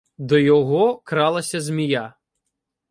До його кралася змія